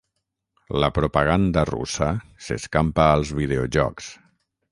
La propaganda russa s'escampa als videojocs